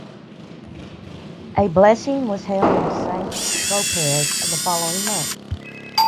A blessing was held in Saint Tropez the following month.